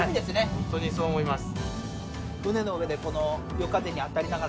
ホントにそう思います。